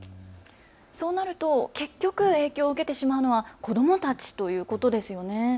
そうなると結局、影響を受けてしまうの子どもたちということですよね。